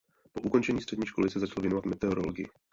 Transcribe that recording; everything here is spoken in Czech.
Po ukončení střední školy se začal věnovat meteorologii.